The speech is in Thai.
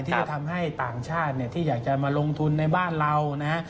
ที่จะทำให้ต่างชาติเนี่ยที่อยากจะมาลงทุนในบ้านเรานะฮะ